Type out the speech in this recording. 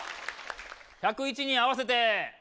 １０１人合わせて。